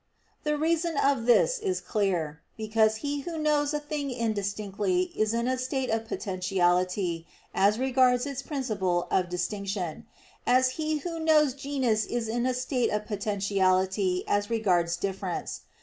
The reason of this is clear: because he who knows a thing indistinctly is in a state of potentiality as regards its principle of distinction; as he who knows genus is in a state of potentiality as regards "difference."